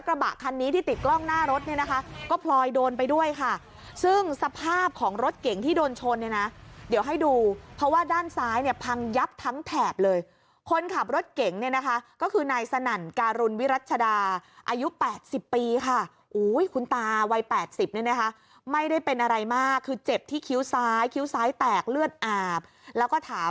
กระบะคันนี้ที่ติดกล้องหน้ารถเนี่ยนะคะก็พลอยโดนไปด้วยค่ะซึ่งสภาพของรถเก่งที่โดนชนเนี่ยนะเดี๋ยวให้ดูเพราะว่าด้านซ้ายเนี่ยพังยับทั้งแถบเลยคนขับรถเก่งเนี่ยนะคะก็คือนายสนั่นการุณวิรัชดาอายุ๘๐ปีค่ะอุ้ยคุณตาวัย๘๐เนี่ยนะคะไม่ได้เป็นอะไรมากคือเจ็บที่คิ้วซ้ายคิ้วซ้ายแตกเลือดอาบแล้วก็ถาม